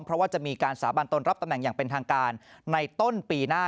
เพราะว่าจะมีการสาบานตนรับตำแหน่งอย่างเป็นทางการในต้นปีหน้า